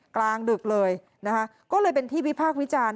กลางดึกเลยนะคะก็เลยเป็นที่วิพากษ์วิจารณ์